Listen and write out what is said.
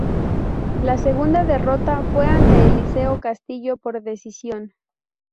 La segunda derrota fue ante Eliseo Castillo por decisión.